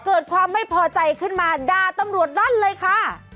เกิดความไม่พอใจขึ้นมาด่าตำรวจลั่นเลยค่ะ